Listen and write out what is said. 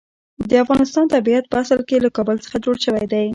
د افغانستان طبیعت په اصل کې له کابل څخه جوړ دی.